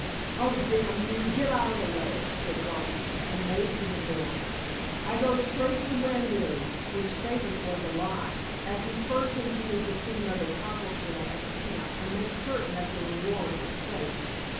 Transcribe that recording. "Oh, damn you, get out of the way!" said Garvington, and made for the door. "I go straight to Wanbury," which statement was a lie, as he first intended to see Mother Cockleshell at the camp and make certain that the reward was safe.